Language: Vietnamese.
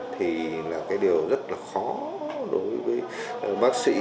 thì là cái điều rất là khó đối với bác sĩ